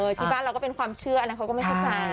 ที่บ้านเราก็เป็นความเชื่ออะไรเขาก็ไม่แ๑๙๘๕